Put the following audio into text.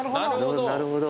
なるほど。